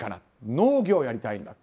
農業をやりたいんだと。